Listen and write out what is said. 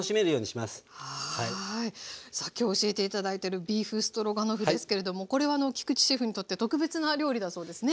さあ今日教えて頂いてるビーフストロガノフですけれどもこれは菊地シェフにとって特別な料理だそうですね？